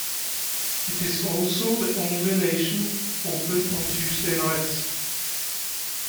It is also the only nation open on Tuesday nights.